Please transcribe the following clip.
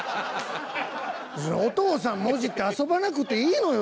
「お父さん」もじって遊ばなくていいのよ